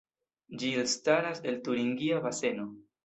Ĝi elstaras el Turingia Baseno.